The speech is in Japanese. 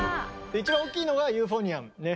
一番大きいのはユーフォニアム。